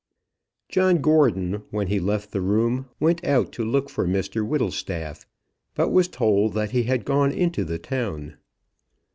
John Gordon, when he left the room, went out to look for Mr Whittlestaff, but was told that he had gone into the town.